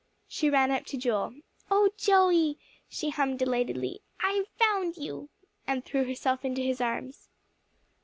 She ran up to Joel. "Oh Joey!" she hummed delightedly, "I've found you," and threw herself into his arms.